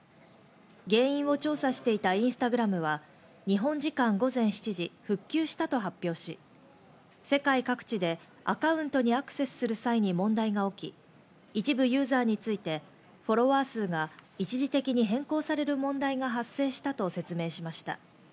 原因を調査していたインスタグラムは日本時間午前７時、復旧したと発表し、世界各地でアカウントにアクセスする際に問題が起き、一部ユーザーについて、フォロワー数が一時的に変更される問題が発生したと説明しました。